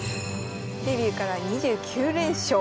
デビューから２９連勝。